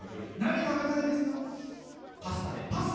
何、食べたいですか？